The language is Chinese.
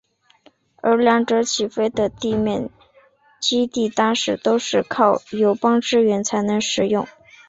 而两者起飞的地面基地当时都是靠友邦支援才能使用。